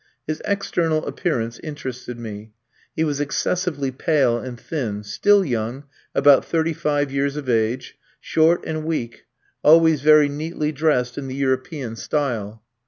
His external appearance interested me. He was excessively pale and thin, still young about thirty five years of age short and weak, always very neatly dressed in the European style.